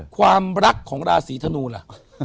ความรักของราศีธนูล่ะ